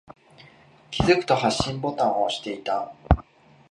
気づくと、発信ボタンを押していた。